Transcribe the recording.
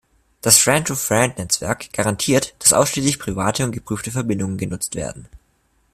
Das Friend-to-Friend-Netzwerk garantiert, dass ausschließlich private und geprüfte Verbindungen genutzt werden.